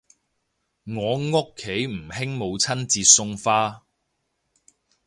我屋企唔興母親節送花